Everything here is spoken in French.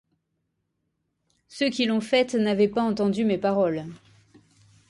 Ceux qui l'ont faite n'avaient pas entendu mes paroles.